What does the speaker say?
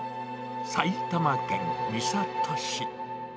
埼玉県三郷市。